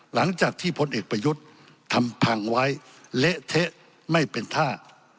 หลังจากที่พลเอกประยุทธ์ทำพังไว้เละเทะไม่เป็นท่า